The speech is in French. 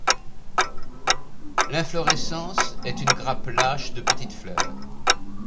L'inflorescence est une grappe lâche de petites fleurs.